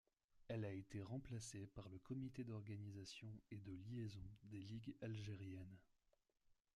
Elle a été remplacée par le Comité d'Organisation et de Liaison des Ligues Algériennes.